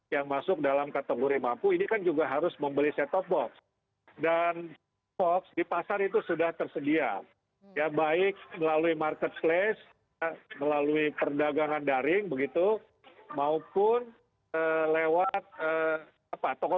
yang kami siap mendukung